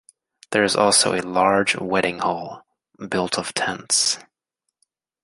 There is also a large wedding hall, built of tents.